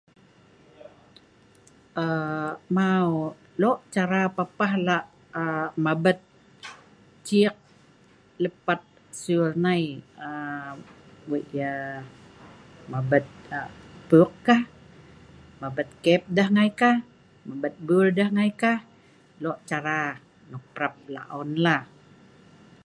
Aa.. mau lok cara papeh lak aa.. mabet ce’ik le’pet sul nei. Aa.. Weik yeh mabet aa.. pu’uk kah, mabet kep deh ngai kah, mabet bul deh ngai kah. Lok cara nok parep lak on lah